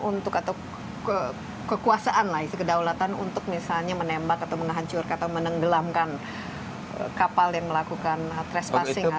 itu ada kekuasaan lah kedaulatan untuk menembak atau menghancurkan atau menenggelamkan kapal yang melakukan trespassing